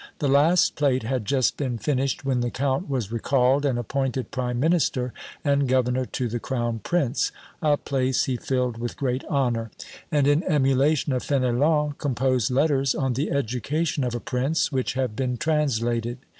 The last plate had just been finished when the Count was recalled, and appointed Prime Minister and Governor to the Crown Prince, a place he filled with great honour; and in emulation of Fenelon, composed letters on the education of a Prince, which have been translated.